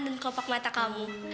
dan kelopak mata kamu